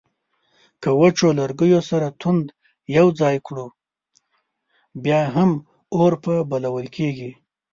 که وچو لرګیو سره توند یو ځای کړو بیا هم اور په بلول کیږي